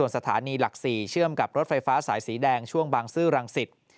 สถานีหลัก๔เชื่อมกับรถไฟฟ้าสายสีแดงช่วงบางซื่อรังสิต